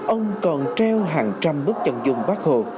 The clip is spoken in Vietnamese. ông còn treo hàng trăm bức chân dung bác hồ